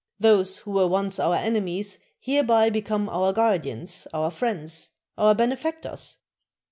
Those who were once our enemies hereby become our guardians, our friends, our benefactors."